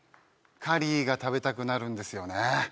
カリーが食べたくなるんですよね